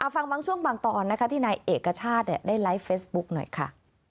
บางช่วงบางตอนนะคะที่นายเอกชาติได้ไลฟ์เฟซบุ๊กหน่อยค่ะ